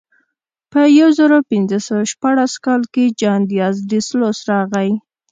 په یو زرو پینځه سوه شپاړس کال کې جان دیاز ډي سلوس راغی.